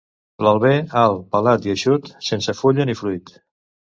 L'àlber, alt, pelat i eixut, sense fulla ni fruit.